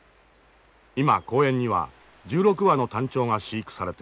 今公園には１６羽のタンチョウが飼育されている。